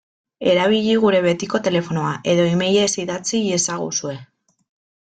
Erabili gure betiko telefonoa edo emailez idatz iezaguzue.